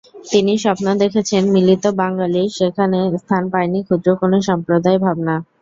তিনি স্বপ্ন দেখেছেন মিলিত বাঙালির, সেখানে স্থান পায়নি ক্ষুদ্র কোনো সম্প্রদায়ভাবনা।